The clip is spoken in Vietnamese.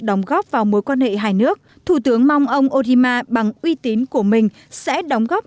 đóng góp vào mối quan hệ hai nước thủ tướng mong ông odima bằng uy tín của mình sẽ đóng góp